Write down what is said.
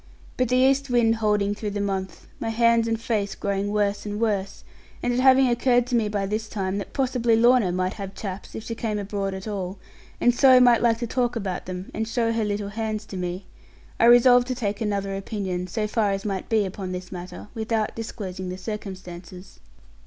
But the east wind holding through the month, my hands and face growing worse and worse, and it having occurred to me by this time that possibly Lorna might have chaps, if she came abroad at all, and so might like to talk about them and show her little hands to me, I resolved to take another opinion, so far as might be upon this matter, without disclosing the circumstances.